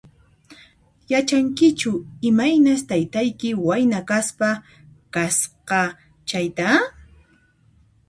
Yachankichu imaynas taytayki wayna kaspa kasqa chayta?